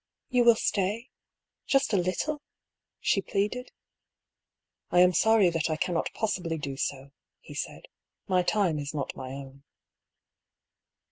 "You will stay? Just a little while?" she pleaded. " I am sorry that I cannot possibly do so," he said. " My time is not my own."